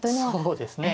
そうですね。